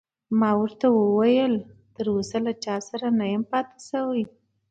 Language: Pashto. ما ورته وویل: تراوسه له هیڅ چا سره نه یم پاتې شوی.